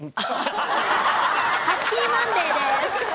ハッピーマンデーです。